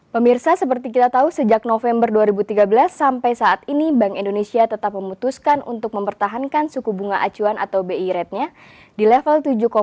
pemirsa seperti kita tahu sejak november dua ribu tiga belas sampai saat ini bank indonesia tetap memutuskan untuk mempertahankan suku bunga acuan atau bi ratenya di level tujuh